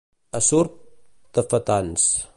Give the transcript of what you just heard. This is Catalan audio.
A Surp, tafetans.